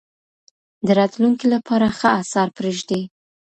د راتلونکي لپاره ښه اثار پرېږدئ.